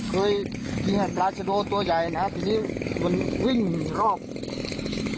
เคยเนี่ยปลาชะโดตัวใหญ่นะครับทีนี้มันวิ่งรอบ